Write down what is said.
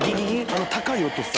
あの高い音した。